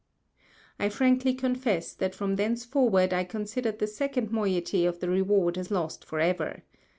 I frankly confess that from thenceforward I considered the second Moiety of the Reward as lost for ever.